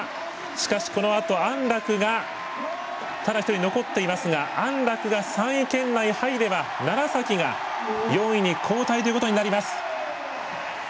しかし、このあと安楽がただ一人、残っていますが安楽が３位圏内に入れば楢崎が４位に後退ということになります。